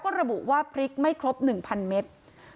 ก็ระบุว่าพริกไม่ครบหนึ่งพันเมตร